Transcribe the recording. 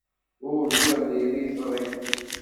Ur lliɣ d iriẓri.